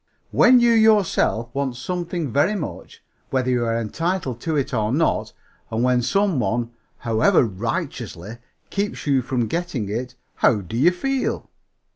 When you yourself want something very much (whether you are entitled to it or not) and when some one (however righteously) keeps you from getting it, how do you feel?